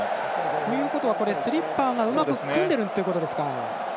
ということはスリッパーがうまく組んでるということですか。